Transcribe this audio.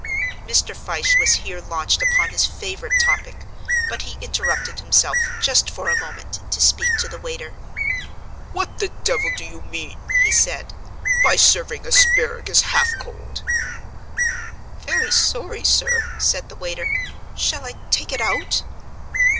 Mr. Fyshe was here launched upon his favourite topic; but he interrupted himself, just for a moment, to speak to the waiter. "What the devil do you mean," he said, "by serving asparagus half cold?" "Very sorry, sir," said the waiter, "shall I take it out?"